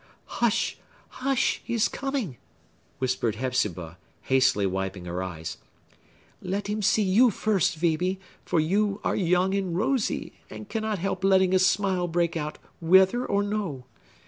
"Hush! hush! He is coming!" whispered Hepzibah, hastily wiping her eyes. "Let him see you first, Phœbe; for you are young and rosy, and cannot help letting a smile break out whether or no.